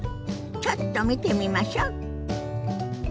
ちょっと見てみましょ。